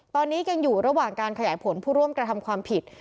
ตอนนี้ยังอยู่ระหว่างการขยายผลผู้ร่วมกระทำความผิด